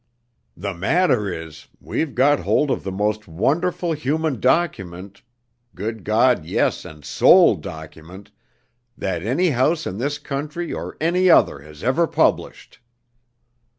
"The matter is, we've got hold of the most wonderful human document good God, yes, and soul document! that any house in this country or any other has ever published!"